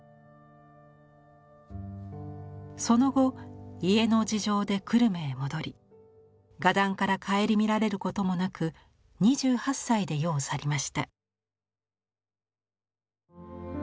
その後家の事情で久留米へ戻り画壇から顧みられることもなく２８歳で世を去りました。